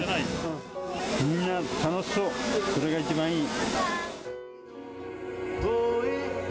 みんな楽しそう、それが一番いい。